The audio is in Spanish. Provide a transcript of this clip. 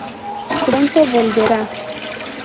Pronto volverá.